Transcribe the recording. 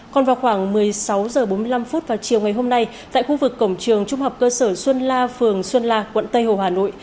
còn vào khoảng một mươi sáu h bốn mươi năm vào chiều ngày hôm nay tại khu vực cổng trường trung học cơ sở xuân la phường xuân la quận tây hồ hà nội